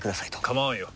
構わんよ。